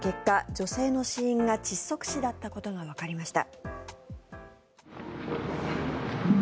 女性の死因が窒息死だったことがわかりました。